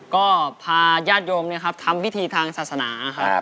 ก็พาญาติโยมเนี่ยครับทำวิธีทางศาสนาครับ